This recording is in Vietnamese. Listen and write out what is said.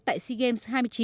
tại sea games hai mươi chín